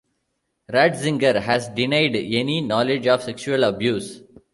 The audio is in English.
Ratzinger has denied any knowledge of sexual abuse.